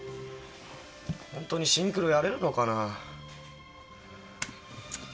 ホントにシンクロやれるのかな。